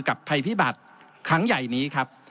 กับภัยพิบัตรครั้งใหญ่นี้